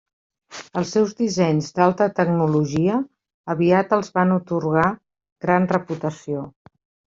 Els seus dissenys d'alta tecnologia aviat els van atorgar gran reputació.